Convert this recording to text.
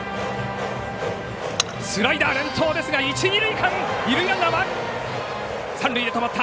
スライダー連投ですが一、二塁間抜けた。